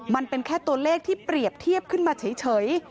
มันเป็นแค่ตัวเลขที่เปรียบเทียบขึ้นมาเฉย